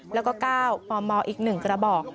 แล้วก็ก้าวฟอมมอลอีก๑กระบอก